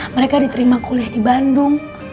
mereka diterima kuliah di bandung